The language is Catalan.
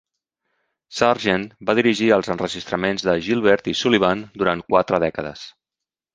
Sargent va dirigir els enregistraments de Gilbert i Sullivan durant quatre dècades.